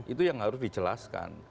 itu yang harus dijelaskan